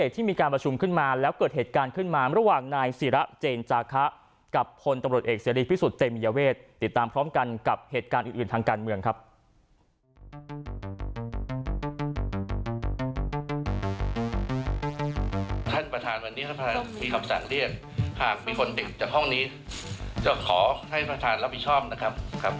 ท่านประธานวันนี้มีคำสั่งเรียกหากมีคนเด็กจากห้องนี้จะขอให้ประธานรับผิดชอบนะครับ